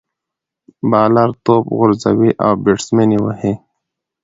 بالر توپ غورځوي، او بيټسمېن ئې وهي.